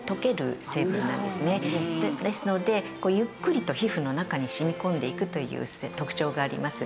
ですのでゆっくりと皮膚の中に染み込んでいくという特徴があります。